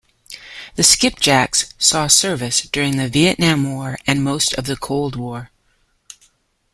The "Skipjack"s saw service during the Vietnam War and most of the Cold War.